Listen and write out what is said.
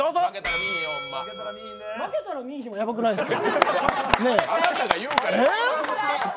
負けたら見いひんもやばくないですか？